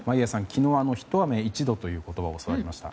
昨日、一雨一度という言葉を教わりました。